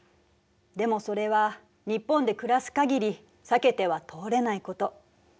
でもそれは日本で暮らす限り避けては通れないこと。